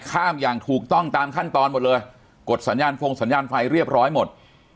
อย่างถูกต้องตามขั้นตอนหมดเลยกดสัญญาณฟงสัญญาณไฟเรียบร้อยหมด